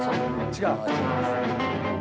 「違う」